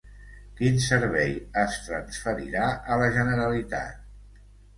Quin servei es transferirà a la Generalitat?